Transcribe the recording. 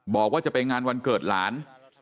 บอกว่าจะไปงานวันเกิดหลาน